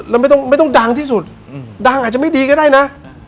เราไม่ต้องดังที่สุดดังแต่ก็ได้นะ